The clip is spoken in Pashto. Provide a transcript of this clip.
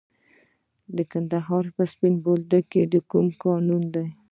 د کندهار په سپین بولدک کې کوم کانونه دي؟